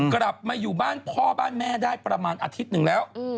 กลับมาอยู่บ้านพ่อบ้านแม่ได้ประมาณอาทิตย์หนึ่งแล้ว